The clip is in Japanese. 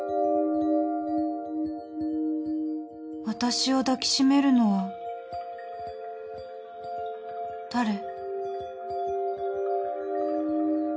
私を抱きしめるのは誰？